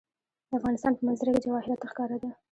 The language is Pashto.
د افغانستان په منظره کې جواهرات ښکاره ده.